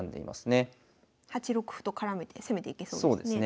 ８六歩と絡めて攻めていけそうですね。